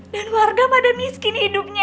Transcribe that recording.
dan warga pada miskin hidupnya